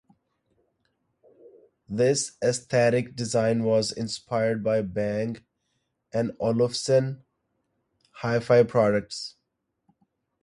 This aesthetic design was inspired by Bang and Olufsen Hi-Fi products.